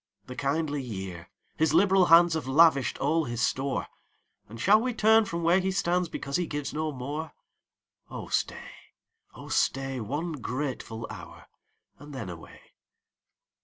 36 POEMS. The kindly year, his liberal hands Have lavished all his store. And shall we turn from where he stands, Because he gives no more? Oh stay, oh stay, One grateful hotir, and then away.